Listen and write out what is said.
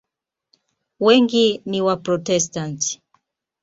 Wengi ni Waprotestanti.